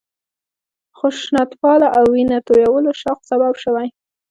خشونتپالنه او وینه تویولو شوق سبب شوی.